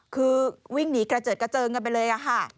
คือวิ่งหนีเกราะเจิดกันไปเลย